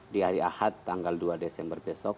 di hari ahad tanggal dua desember besok